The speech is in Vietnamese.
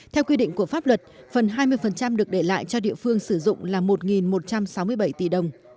theo quy định của pháp luật phần hai mươi được để lại cho địa phương sử dụng là một một trăm sáu mươi bảy tỷ đồng